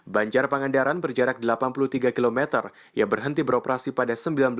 banjar pangandaran berjarak delapan puluh tiga km yang berhenti beroperasi pada seribu sembilan ratus sembilan puluh